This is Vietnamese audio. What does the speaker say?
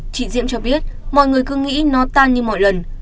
chị diễm cho biết mọi người cứ nghĩ nó tan như mọi lần